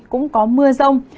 cũng có mưa rông